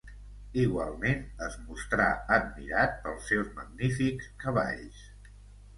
Igualment, es mostrà admirat pels seus magnífics cavalls.